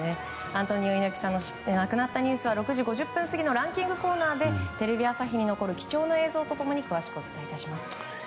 アントニオ猪木さんが亡くなったニュースは６時５０分過ぎのランキングコーナーでテレビ朝日に残る貴重な映像と共に詳しくお伝えいたします。